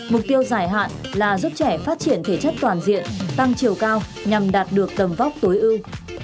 mục tiêu dài hạn là giúp trẻ phát triển thể chất toàn diện tăng chiều cao nhằm đạt được tầm vóc tối ưu